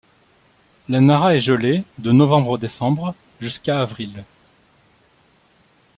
La Nara est gelée de novembre-décembre jusqu'à avril.